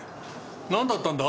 なんだったんだ？